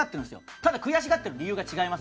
ただ、悔しがってる理由が違います。